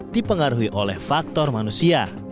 dipengaruhi oleh faktor manusia